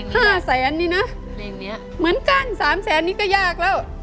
ห้าแสนนี่นะเหมือนกันสามแสนนี่ก็ยากแล้ว